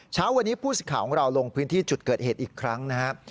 เช้าวันนี้ผู้สิทธิ์ข่าวของเราลงพื้นที่จุดเกิดเหตุอีกครั้งนะครับ